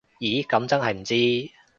咦噉真係唔知